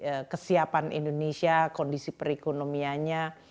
dan tentu dia melihat orang orang indonesia termasuk saya di sana dianggap itu adalah suatu pilihan